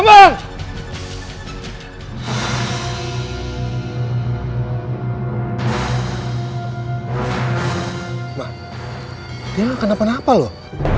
mereka akan kenapa napa loh